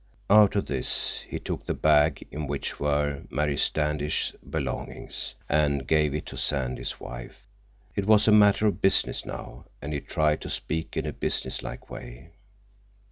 Out of this he took the bag in which were Mary Standish's belongings, and gave it to Sandy's wife. It was a matter of business now, and he tried to speak in a businesslike way.